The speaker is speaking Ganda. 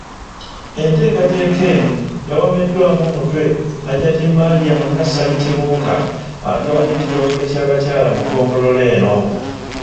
Enteekateeka eno yawoomeddwamu omutwe Hajjat Mariam Nassali Kibuuka, atwala ekitongole ky'abakyala mu ggombolola eno.